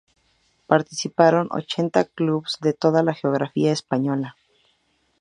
Participaron ochenta clubes de toda la geografía española.